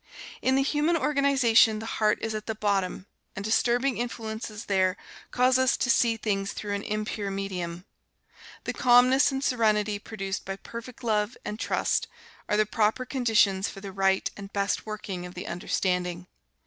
In the human organization the heart is at the bottom, and disturbing influences there cause us to see things through an impure medium. The calmness and serenity, produced by perfect love and trust, are the proper conditions for the right and best working of the understanding.